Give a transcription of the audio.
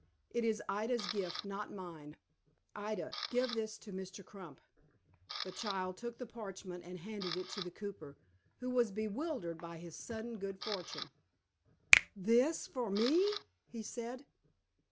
It is Ida's gift, not mine. Ida, give this to Mr. Crump." The child took the parchment, and handed it to the cooper, who was bewildered by his sudden good fortune. "This for me?" he said.